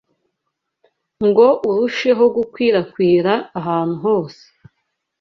ngo urusheho gukwirakwira ahantu hose